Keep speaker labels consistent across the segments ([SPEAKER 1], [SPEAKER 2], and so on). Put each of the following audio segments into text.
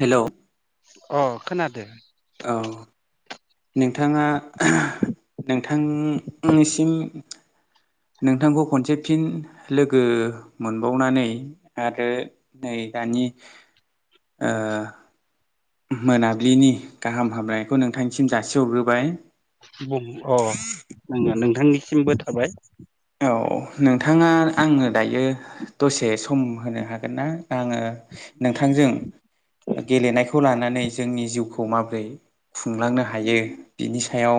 [SPEAKER 1] हेल'
[SPEAKER 2] खोनादों?
[SPEAKER 1] औ। नोंथाङा [unintelligible] नोंथांनिसिम नोंथांखौ खनसे फिन लोगो मोनबावनानै आरो नै दानि ओ मोनाबिलिनि गाहाम हामलायनयखौ नोंथांनिसिम जासिहरग्रोबाय।
[SPEAKER 2] बुं अ नङा नोंथांनिसिमबो थाबाय।
[SPEAKER 1] औ नोंथाङा आंनो दायो दसे सम होनो हागोन ना? आङो नोंथांजों गेलेनायखौ लानानै जोंनि जिउखौ माबरै खुंलांनो हायो बिनि सायाव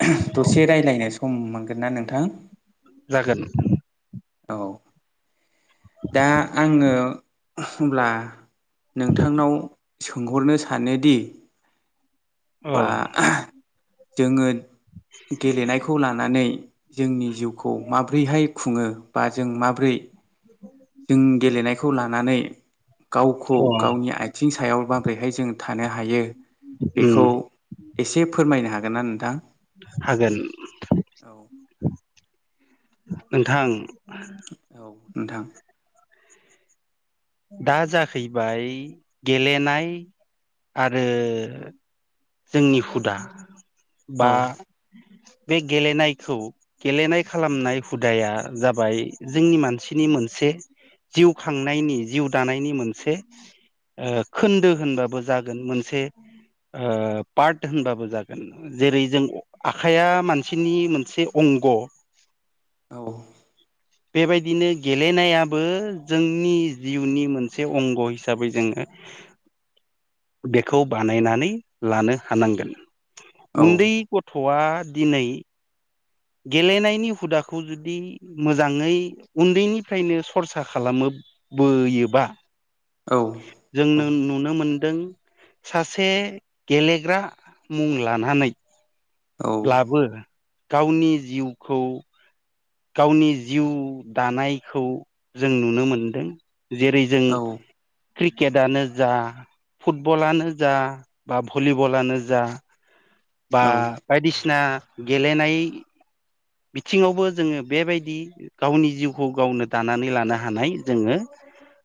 [SPEAKER 1] [unintelligible] दसे रायलायनो सम मोनगोन ना नोंथां?
[SPEAKER 2] जागोन।
[SPEAKER 1] औ दा आङो होनब्ला नोंथांनाव सोंहरनो सानोदि
[SPEAKER 2] अ
[SPEAKER 1] बा [unintelligible] जोङो गेलेनायखौ लानानै जोंनि जिउखौ माबोरैहाय खुङो बा जों माबोरै जों गेलेनायखौ लानानै गावखौ
[SPEAKER 2] अ
[SPEAKER 1] गावनि आथिं सायाव माब्रैहाय जों था थानो हायो
[SPEAKER 2] उम
[SPEAKER 1] बेखौ इसे फोरमायनो हागोन ना नोंथां?
[SPEAKER 2] हागोन
[SPEAKER 1] औ
[SPEAKER 2] [unintelligible] नोंथां
[SPEAKER 1] औ नोंथां।
[SPEAKER 2] दा जाहैबाय गेलेनाय आरो जोंनि हुदा
[SPEAKER 1] औ
[SPEAKER 2] बा बे गेलेनायखौ गेलेनाय खालामनाय हुदाया जाबाय जोंनि मानसिनि मोनसे जिउ खांनायनि जिउ दानायनि मोनसे ओ खोन्दो ओ होनबाबो जागोन मोनसे ओ पार्ट होनबाबो जागोन जेरै जों आखाइया मानसिनि मोनसे अं ग
[SPEAKER 1] औ
[SPEAKER 2] बेबायदिनो गेलेनायाबो जोंनि जिउनि मोनसे अंग हिसाबै जोङो बेखौ बानायनानै लानो हानांगोन। उन्दै गथ'आ दिनै गेलेनायनि हुदाखौ जुदि मोजाङै उन्दैनिफ्रायनो सरसा खालामो बोयोबा
[SPEAKER 1] औ
[SPEAKER 2] जोंनो नु नुनो मोनदों सासे गेलेग्रा मुं लानानै ब्लाबो गावनि जिउखौ गावनि जिउ दानायखौ जों नुनो मोनदों। जेरै जों क्रिकेटनो जा फुटबलानो जा बा भलिबलानो जा बा बायदिसिना गेलेनाय बिथिङावबो जोङो बेबायदि गावनि जिउखौ गावनो दानानै लानो हानाय जोङो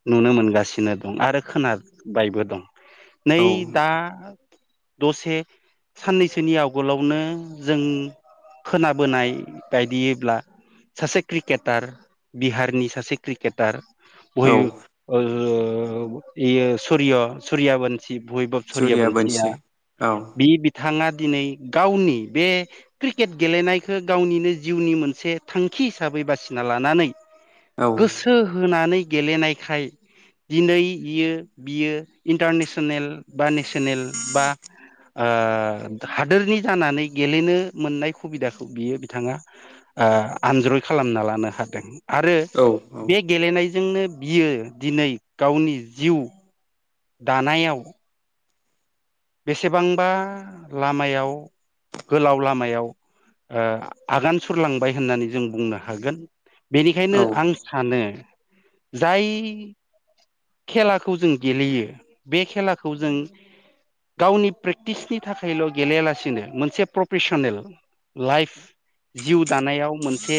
[SPEAKER 2] नुनो मोनगासिनो दं आरो खोनाबायबो दं नै
[SPEAKER 1] औ
[SPEAKER 2] दा दसे साननैसोनि आवगोलावनो जों खोनाबोनाय बायदिब्ला सासे क्रिकेटार बिहारनि सासे क्रिकेटार
[SPEAKER 1] औ
[SPEAKER 2] बय
[SPEAKER 1] औ
[SPEAKER 2] ओ इयो सुरिय सुरिया बन सि भैबब सरिया
[SPEAKER 1] सुरिया
[SPEAKER 2] बनसिया
[SPEAKER 1] बोनसि औ
[SPEAKER 2] बि बिथाङा दिनै गावनि बे क्रिकेट गेलेनायखो गावनिनो जिउनि मोनसे थांखि हिसाबै बासिना लानानै
[SPEAKER 1] औ
[SPEAKER 2] गोसो होनानै गेलेनायखाय दिनै इयो बियो इन्टारनेसनेल बा नेसनेल बा ओ हादोरनि जानानै गेलेनो मोननाय खुबिदाखौ बियो बिथाङा ओ आनज्रय खालामना लानो हादों। आरो
[SPEAKER 1] औ औ
[SPEAKER 2] बे गेलेनायजोंनो बियो दिनै गावनि जिउ दानायाव बेसेबांबा लामायाव गोलाव लामायाव आगान सुरलांबाय होननानै जों बुंनो हागोन।
[SPEAKER 1] औ
[SPEAKER 2] बेनिखायनो आं सानो जाय खेलाखौ जों गेलेयो बे खेलाखौ जों गावनि प्रेक्टिसनि थाखायल' गेलेयालासिनो मोनसे प्रफेसनेल लाइफ जिउ दानायाव मोनसे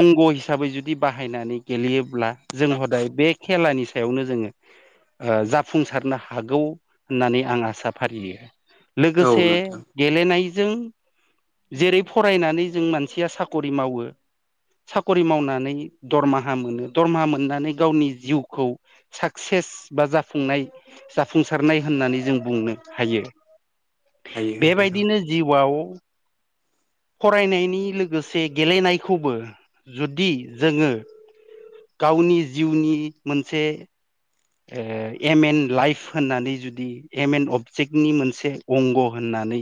[SPEAKER 2] अंग' हिसाबै जुदि बाहायनानै गेलेयोब्ला जों हदाय बे खेलानि सायावनो जोङो ओ जाफुंसारनो हागौ होननानै आं आसा फारियो
[SPEAKER 1] औ
[SPEAKER 2] लोगोसे
[SPEAKER 1] नोंथां
[SPEAKER 2] गेलेनायजों जेरै फरायनानै जों मानसिया साख'रि मावो साखरि मावनानै दरमाहा मोनो दरमाहा मोननानै गावनि जिउखौ साक्से सेस बा जाफुंनाय जाफुंसारनाय होननानै जों बुंनो हायो।
[SPEAKER 1] हायो हायो
[SPEAKER 2] बेबायदिनो जिउआव फरायनायनि लोगोसे गेलेनायखौबो जुदि जोङो गावनि जिउनि मोनसे ओ एम एन लाइफ होननानै जुदि एम एन अबजेक्टनि मोनसे अंग' होनना नै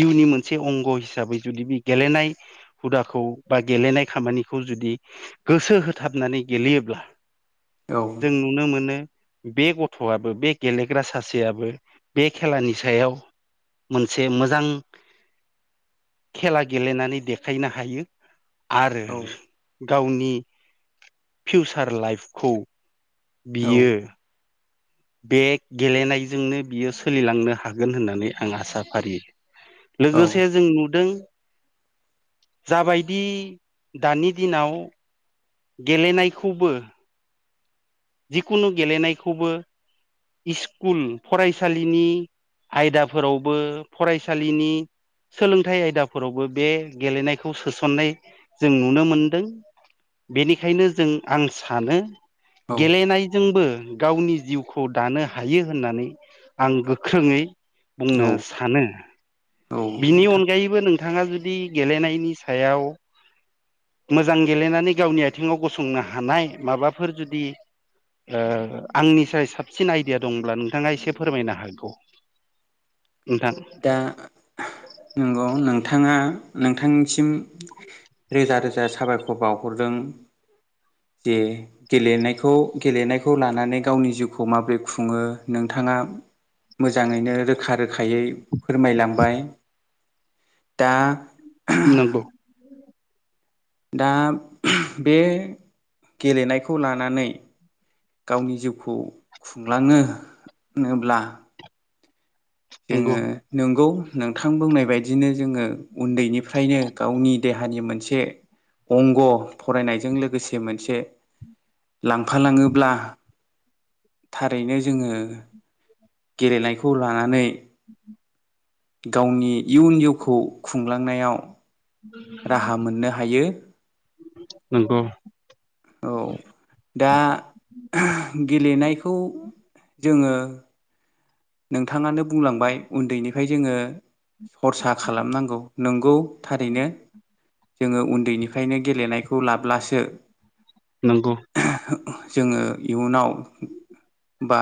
[SPEAKER 2] जिउनि मोनसे अंग हिसाबै जुदि बे गेलेनाय हुदाखौ बा गेलेनाय खामानिखौ जुदि गोसो होथाबनानै गेलेयोब्ला
[SPEAKER 1] औ
[SPEAKER 2] जों नुनो मोनो बे गथ'आबो बे गेलेग्रा सासेयाबबो बे खेलानि सायाव मोनसे मोजां खेला गेलेनानै देखायनो हायो। आरो
[SPEAKER 1] औ
[SPEAKER 2] गावनि फिउसार लाइफखौ बियो बे गेलेनायजोंनो बियो सोलिलांनो हागोन होननानै आं आसा फारियो।
[SPEAKER 1] औ
[SPEAKER 2] लोगोसे जों नुदों जाबायदि दानि दिनाव गेलेनायखौबो जिकुनु गेलेनायखौबो इस्कुल फरायसालिनि आयदाफोरावबो फरायसालिनि सोलोंथाइ आयदाफोरावबो बे गेलेनायखौ सोसननाय जों नुनो मोनदों। बेनिखायनो जों आं सानो गेलेनायजोंबो गावनि जिउखौ दानो हायो होननानै आं गोख्रोङै
[SPEAKER 1] औ
[SPEAKER 2] बुंनो सानो बिनि
[SPEAKER 1] नोंथां
[SPEAKER 2] अनगायैबो नोंथाङा जु दि गेलेनायनि सायाव मोजां गेलेनानै गावनि आथिङाव गसंनो हानाय माबाफोर जुदि ओ आंनिसाय साबसिन आइडिया दंब्ला नोंथाङा एसे फोरमायनो हागौ। नोंथां
[SPEAKER 1] दा आह नंगौ नोंथाङा नोंथांनि सिम रोजा, रोजा साबायखर बावहरदों जे गेलेनायखौ-गेलेनायखौ लानानै गावनि जिउखौ माबोरै खुङो नोंथाङा मोजाङैनो रोखा रोखायै फोरमायलांबाय दा
[SPEAKER 2] नोंगौ
[SPEAKER 1] दा बे गेलेनायखौ लानानै गावनि जिउखौ खुंलाङो होनोब्ला
[SPEAKER 2] नंगौ
[SPEAKER 1] जोङो नोंगौ नोंथां बुंनाय बायदि नो जोङो उन्दैनिफ्रायनो गावनि देहानि मोनसे अंग' फरायनायजों लोगोसे मोनसे लांफालाङोब्ला थारैनो जोङो गेलेनायखौ लानानै
[SPEAKER 2] उ
[SPEAKER 1] गावनि इयुन इउखौ खुंलांनायाव राहा मोननो हायो।
[SPEAKER 2] नोंगौ
[SPEAKER 1] औ दा गेलेनायखौ जोङो [unintelligible] नोंथांङानो बुंलांबाय उन्दैनिफ्राय जोङो खरसा खालामनांगौ नोंगौ थारैनो। जोङो उन्दैनिफ्रायनो गेलेनायखौ लाब्लासो
[SPEAKER 2] नंगौ
[SPEAKER 1] जोङो इयुनाव बा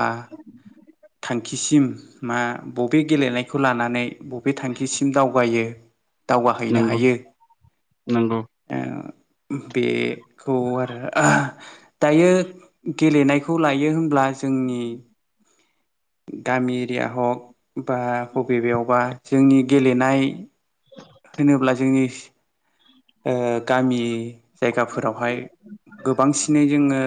[SPEAKER 1] थांखिसिम मा बबे गेलेनायखौ लानानै बबे थांखिसिम दावगायो दावगाहैनो
[SPEAKER 2] नंगौ
[SPEAKER 1] हायो
[SPEAKER 2] नंगौ
[SPEAKER 1] ओ बे खौ आरो ओह दायो गेलेनायखौ लायो होनब्ला जोंनि गामि एरिया हक बा बबे बेयावबा जोंनि गेलेनाय होनोब्ला जोंनि ओ गामि जायगाफोरावहाय गोबांसिनै जोङो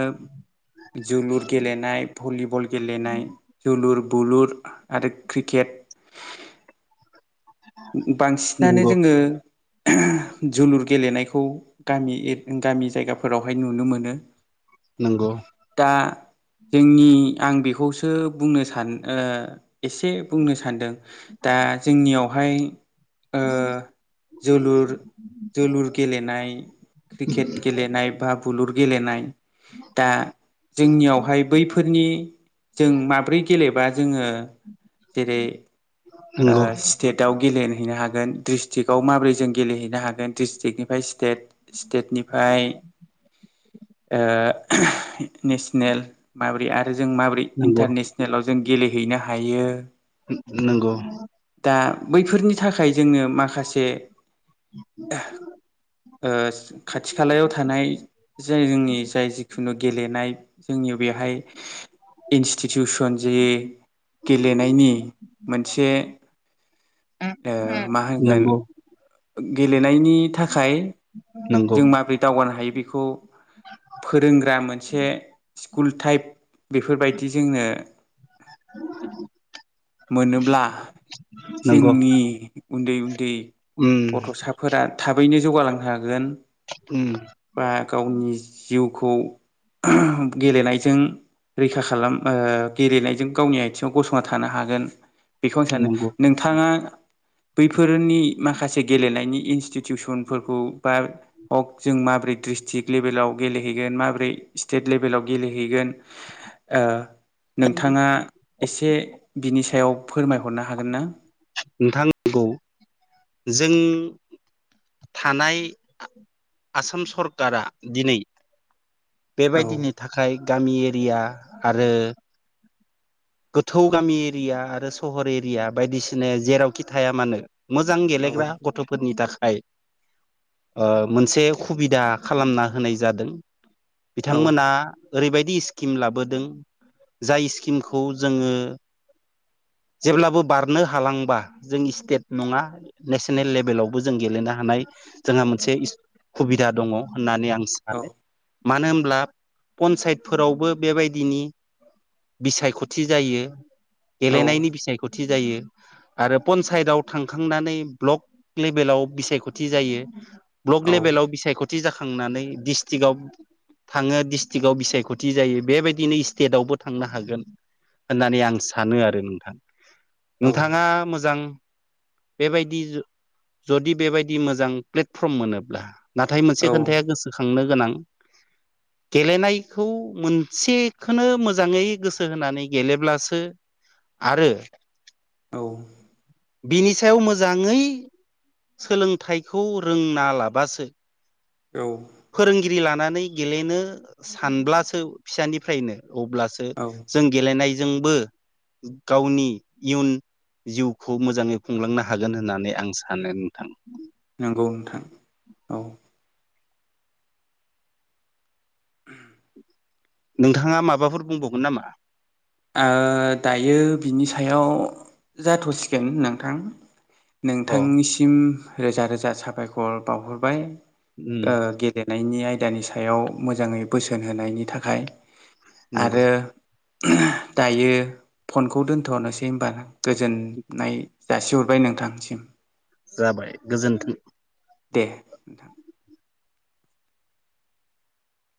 [SPEAKER 1] जोलुर गेलेनाय भलिबल गेलेनाय जोलुर बुलुर ' आरो क्रिकेट बांसिनानो
[SPEAKER 2] नंगौ
[SPEAKER 1] जोङो ओह जोलुर गेलेनायखौ गामि इद गामि जायगाफोरावहाय नुनो मोनो।
[SPEAKER 2] नोंगौ
[SPEAKER 1] दा जोंनि आं बेखौसो बुंनो सान ओ एसे बुंनो सान्दों दा जोंनियावहाय ओ जोलुर जोलुर गेलेनाय क्रिकेट गेलेनाय बा बुलुर गेलेनाय दा जोंनियावहाय बैफोरनि जों माब्रै गेलेबा जोङो जेरै ओ
[SPEAKER 2] नंगौ
[SPEAKER 1] स्टेटआव गेलेहैनो हागोन। डिस्ट्रिक्टआव माबोरै जों गेलेहैनो हागोन डिस्ट्रिक्टनिफ्राय स्टेट स्टेटनिफ्राय ओ नेसनेल माब्रै आ रो, जों माबोरै
[SPEAKER 2] नंगौ
[SPEAKER 1] इन्टारनेसनेलाव जों गेलेहैनो हायो।
[SPEAKER 2] नंगौ
[SPEAKER 1] दा बैफोरनि थाखाय जोङो माखासे ओस खाथि खालायाव थानाय जों जोंनि जाय जिखुनु गेलेनाय जोंनियाव बेहाय इन्सटिटिउसन जे गेलेनायनि मोनसे ओ मा होनगोन
[SPEAKER 2] नंगौ
[SPEAKER 1] गेलेनायनि थाखाय
[SPEAKER 2] नंगौ
[SPEAKER 1] जों माबोरै दावगानो हायो बेखौ फोरोंग्रा मोनसे स्कुल टाइप बेफोरबायदि जोंनो
[SPEAKER 2] [inaudible]
[SPEAKER 1] मोनोब्ला
[SPEAKER 2] नंगौ
[SPEAKER 1] जोंनि उन्दै उन्दै
[SPEAKER 2] उम
[SPEAKER 1] गथ'साफोरा थाबैनो जौगालांनो हागोन
[SPEAKER 2] उम
[SPEAKER 1] बा गावनि जिउ खौ गेलेनायजों रैखा खालाम ओ गेलेनायजों गावनि आथिङाव गसंना थानो हागोन। बेखौ आं सानो
[SPEAKER 2] नंगौ
[SPEAKER 1] नोंथाङा बैफोरनि माखासे गेलेनायनि इनस्टिटिउसनफोरखौ बा हक जों माबोरै ड्रिस्ट्रिकट लेभेलाव गेलेहैगोन माबोरै स्टेट लेभेलाव गेलेहैगोन नोंथाङा एसे बिनि सायाव फोरमायहरनो हागोन ना?
[SPEAKER 2] नोंथां नंगौ जों थानाय आसाम सरकारा दिनै
[SPEAKER 1] औ
[SPEAKER 2] बेबायदिनि थाखाय गामि एरिया आरो गोथौ गामि एरिया आरो सहर एरिया बायदिसिना जेरावखि थाया मानो मोजां
[SPEAKER 1] औ
[SPEAKER 2] गेलेग्रा गथ'फोरनि था खाय ओ मोनसे खुबिदा खालामना होनाय जादों।
[SPEAKER 1] औ
[SPEAKER 2] बिथांमोना ओरैबायदि स्किम लाबोदों जाय स्किम खौ जोङो
[SPEAKER 1] [inaudible]
[SPEAKER 2] जेब्लाबो बारनो हालांबा जों स्टेट नङा नेसनेल लेभेलावबो जों गेलेनो हानाय जोंहा मोनसे खुबिदा दङ होननानै आं
[SPEAKER 1] औ
[SPEAKER 2] सानो। मानो होनब्ला पन्सायतफोरावबो बेबायदिनि बिसायख' थि जायो
[SPEAKER 1] औ
[SPEAKER 2] गेलेनायनि बिसायखथि थि जायो आरो पन्सायताव थांखांनानै ब्लक लेभेलाव बिसायख'थि जायो। ब्लक
[SPEAKER 1] औ
[SPEAKER 2] लेभेलाव बिसायख'थि जाखांनानै डिस्ट्रिक्टआव थाङो डिस्ट्रिक्टआव बिसायख'थि जायो बेबायदिनो स्टेटआवबो थांनो हागोन। होननानै आं सानो आरो नोंथां।
[SPEAKER 1] औ
[SPEAKER 2] नोंथाङा मोजां बेबायदि जु जुदि बेबायदि मोजां प्लेटफर्म मोनोब्ला नाथाय मोनसे खोन्थाया गोसोखां खांनो गोनां गेलेनायखौ मोनसेखोनो मोजाङै गोस सो होनानै गेलेब्लासो आरो
[SPEAKER 1] औ
[SPEAKER 2] बिनि सायाव मोजाङै सोलोंथाइखौ रोंना लाबासो
[SPEAKER 1] औ
[SPEAKER 2] फोरोंगिरि लानानै गेलेनो सानब्लासो फिसानिफ्रायनो अब्लासो
[SPEAKER 1] औ
[SPEAKER 2] जों गेलेनायजोंबो गावनि इयुन जिउखौ मोजाङै खुंलांनो हागोन होननानै आं सानो नोंथां।
[SPEAKER 1] नंगौ नोथां औ।
[SPEAKER 2] नोंथाङा माबाफोर बुंबावगोन नामा?
[SPEAKER 1] दायो बिनि सायाव जाथ'सिगोन नोंथां।
[SPEAKER 2] अ
[SPEAKER 1] नोंथांनिसिम रोजा रोजा साबायखर बावहरबाय।
[SPEAKER 2] उम
[SPEAKER 1] ओ गेलेनायनि आयदानि सायाव मोजाङै बोसोन होनायनि थाखाय।
[SPEAKER 2] नंगौ
[SPEAKER 1] आरो दायो फनखौ दोन्थ'रनोसै हबा गोजोननाय जासिहरबाय नोंथांसिम।
[SPEAKER 2] जाबाय गोजोन्थों।
[SPEAKER 1] दे नोंथां।